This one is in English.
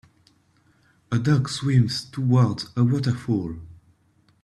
A dog swims towards a waterfall.